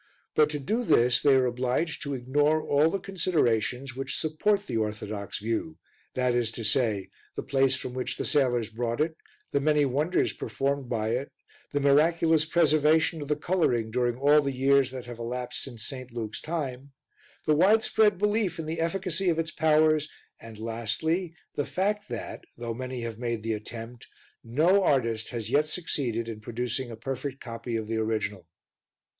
But to do this they are obliged to ignore all the considerations which support the orthodox view, viz. the place from which the sailors brought it, the many wonders performed by it, the miraculous preservation of the colouring during all the years that have elapsed since St. Luke's time, the widespread belief in the efficacy of its powers and lastly the fact that, though many have made the attempt, no artist has yet succeeded in producing a perfect copy of the original.